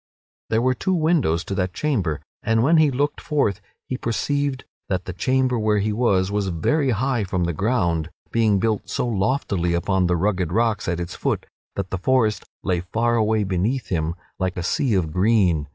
There were two windows to that chamber, and when he looked forth he perceived that the chamber where he was was very high from the ground, being built so loftily upon the rugged rocks at its foot that the forest lay far away beneath him like a sea of green.